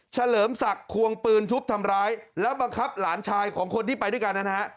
เลิมศักดิ์ควงปืนทุบทำร้ายแล้วบังคับหลานชายของคนที่ไปด้วยกันนะฮะ